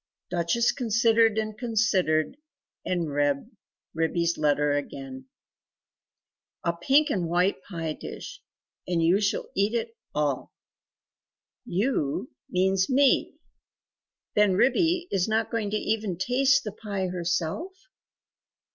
Duchess considered and considered and read Ribby' s letter again "A pink and white pie dish and YOU shall eat it all. 'You' means me then Ribby is not going to even taste the pie herself?